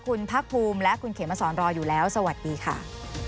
คุณพักภูมิและคุณเขมสอนรออยู่แล้วสวัสดีค่ะ